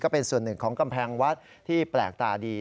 เป็นส่วนหนึ่งของกำแพงวัดที่แปลกตาดี